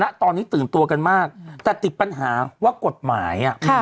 ณตอนนี้ตื่นตัวกันมากแต่ติดปัญหาว่ากฎหมาย